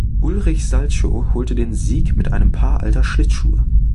Ulrich Salchow holte den Sieg mit einem Paar alter Schlittschuhe.